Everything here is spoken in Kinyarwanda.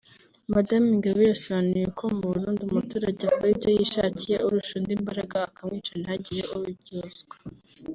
Madamu Ingabire yasobanuye ko mu Burundi umuturage akora ibyo yishakiye urusha undi imbaraga akamwica ntihagire ubimuryoza